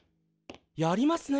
やりますね